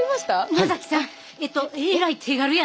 野さんえっとえらい手軽やな。